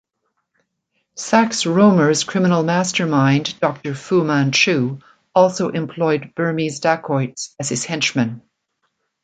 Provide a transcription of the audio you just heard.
Sax Rohmer's criminal mastermind Doctor Fu Manchu also employed Burmese dacoits as his henchmen.